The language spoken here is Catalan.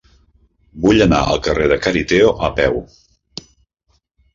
Vull anar al carrer de Cariteo a peu.